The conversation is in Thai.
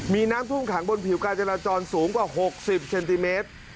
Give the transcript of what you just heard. มีน้ำท่วมขังบนผิวการจราจรสูงกว่า๖๐เซนติเมตร